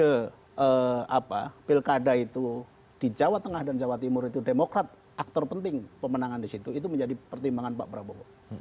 jadi kalau kita ke pilkada itu di jawa tengah dan jawa timur itu demokrat aktor penting pemenangan di situ itu menjadi pertimbangan pak prabowo